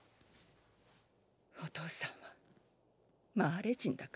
お父さんはマーレ人だから。